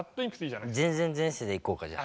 「前前前世」でいこうかじゃあ。